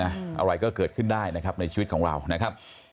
อะไรก็เกิดขึ้นได้นะครับในชีวิตของเรานะครับ